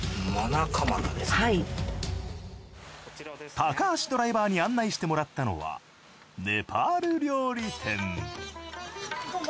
高橋ドライバーに案内してもらったのはネパール料理店。